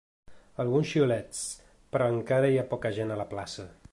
Alguns xiulets, però encara hi ha poca gent a la plaça.